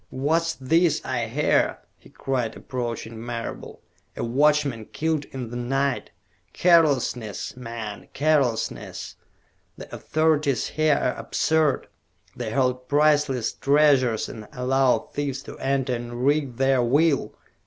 "What's this I hear?" he cried, approaching Marable. "A watchman killed in the night? Carelessness, man, carelessness! The authorities here are absurd! They hold priceless treasures and allow thieves to enter and wreak their will.